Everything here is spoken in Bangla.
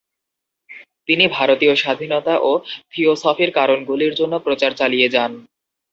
তিনি ভারতীয় স্বাধীনতা এবং থিওসফির কারণগুলির জন্য প্রচার চালিয়ে যান।